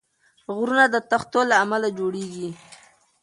غرونه د تختو له امله جوړېږي.